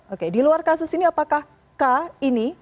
oke di luar kasus ini apakah k ini